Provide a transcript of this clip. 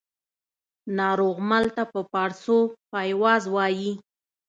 ناروغمل ته په پاړسو پایواز وايي